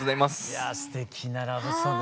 いやすてきなラブソング。